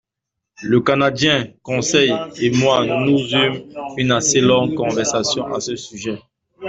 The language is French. Le Canadien, Conseil et moi, nous eûmes une assez longue conversation à ce sujet.